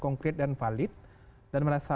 konkret dan valid dan merasa